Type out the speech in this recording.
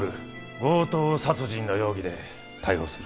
強盗殺人の容疑で逮捕する